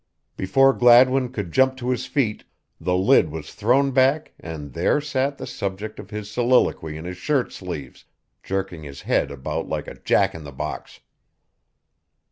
Before Gladwin could jump to his feet the lid was thrown back and there sat the subject of his soliloquy in his shirt sleeves, jerking his head about like a jack in the box.